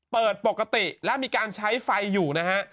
เปิดปกติและมีการใช้ไฟอยู่นะฮะ